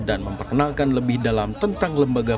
dan memperkenalkan lebih dalam tentang lembaga pelari